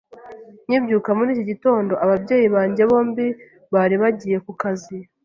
Nkibyuka muri iki gitondo, ababyeyi banjye bombi bari bagiye ku kazi.